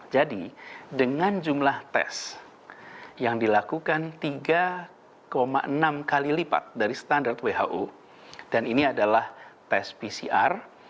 jadi dengan jumlah tes yang dilakukan tiga enam kali lipat dari standar who dan ini adalah tes pcr